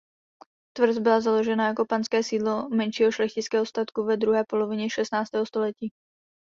Tvrz byla založena jako panské sídlo menšího šlechtického statku ve druhé polovině šestnáctého století.